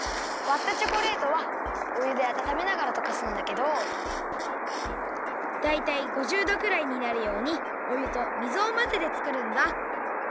わったチョコレートはおゆであたためながらとかすんだけどだいたい５０どくらいになるようにおゆと水をまぜてつくるんだ。